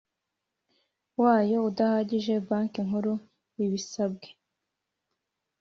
wayo udahagije Banki Nkuru ibisabwe